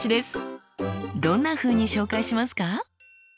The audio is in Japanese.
どんなふうに紹介しますか？